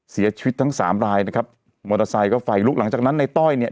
เสียชีวิตทั้งสามรายนะครับมอเตอร์ไซค์ก็ไฟลุกหลังจากนั้นในต้อยเนี่ย